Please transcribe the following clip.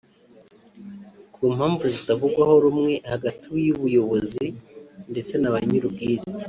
ku mpamvu zitavugwaho rumwe hagati y’ubuyobozi ndetse na ba nyir’ubwite